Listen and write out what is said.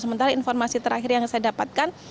sementara informasi terakhir yang saya dapatkan